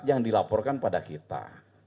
yang dilaporkan pada kita